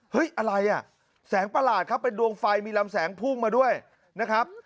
อะไรอ่ะแสงประหลาดครับเป็นดวงไฟมีลำแสงพุ่งมาด้วยนะครับ